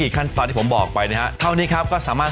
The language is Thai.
ขั้นตอนที่ผมบอกไปนะฮะเท่านี้ครับก็สามารถ